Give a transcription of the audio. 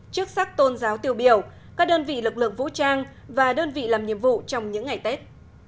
chức sắc tôn giáo tiêu biểu các đơn vị lực lượng vũ trang và đơn vị làm nhiệm vụ trong những ngày tết